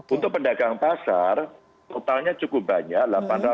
untuk pedagang pasar totalnya cukup banyak